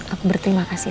aku berterima kasih